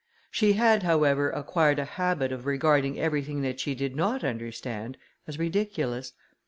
She had, however, acquired a habit of regarding everything that she did not understand as ridiculous.